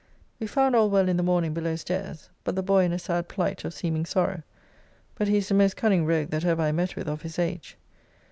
We found all well in the morning below stairs, bu the boy in a sad plight of seeming sorrow; but he is the most cunning rogue that ever I met with of his age.